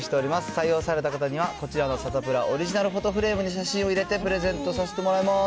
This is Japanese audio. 採用された方にはこちらのサタプラオリジナルフォトフレームに写真を入れてプレゼントさせてもらいます。